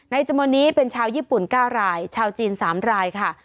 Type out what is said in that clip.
จำนวนนี้เป็นชาวญี่ปุ่น๙รายชาวจีน๓รายค่ะ